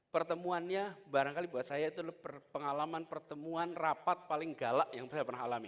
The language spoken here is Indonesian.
pertemuannya barangkali buat saya itu adalah pengalaman pertemuan rapat paling galak yang saya pernah alami